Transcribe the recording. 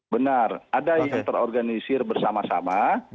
benar ada yang terorganisir bersama sama